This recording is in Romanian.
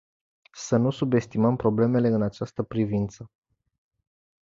Să nu subestimăm problemele în această privință.